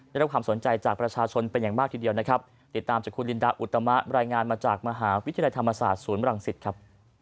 ได้รับความสนใจจากประชาชนเป็นอย่างมากทีเดียวนะครับติดตามจากคุณลินดาอุตมะรายงานมาจากมหาวิทยาลัยธรรมศาสตร์ศูนย์บรังสิตครับ